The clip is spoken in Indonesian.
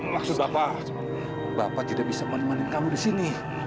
maksud bapak bapak tidak bisa menemani kamu disini